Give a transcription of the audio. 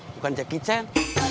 bukan jackie chan